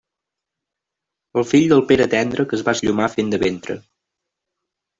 El fill del Pere Tendre, que es va esllomar fent de ventre.